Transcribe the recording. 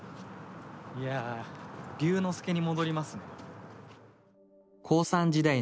いや瑠之介に戻りますね。